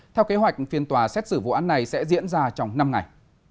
theo kế hoạch phiên tòa xét xử vụ án này sẽ diễn ra trong năm ngày